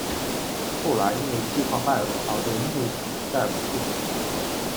后来因为计划败露而被幕府逮捕处死。